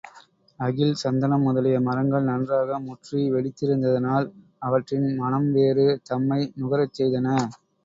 அகில் சந்தனம் முதலிய மரங்கள் நன்றாக முற்றி வெடித்திருந்ததனால், அவற்றின் மணம்வேறு தம்மை நுகரச் செய்தன.